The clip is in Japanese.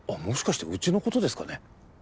もしかしてうちの事ですかね？